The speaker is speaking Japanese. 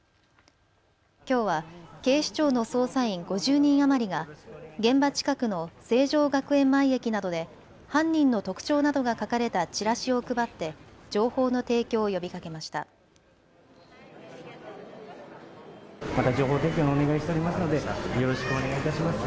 きょうは警視庁の捜査員５０人余りが現場近くの成城学園前駅などで犯人の特徴などが書かれたチラシを配って情報の提供を呼びかけました。